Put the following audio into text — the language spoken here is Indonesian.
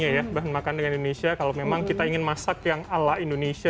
ya bahan makan dengan indonesia kalau memang kita ingin masak yang ala indonesia